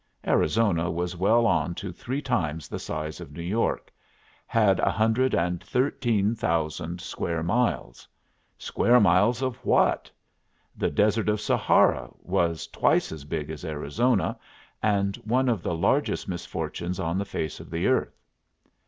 Arizona was well on to three times the size of New York had a hundred and thirteen thousand square miles. Square miles of what? The desert of Sahara was twice as big as Arizona, and one of the largest misfortunes on the face of the earth.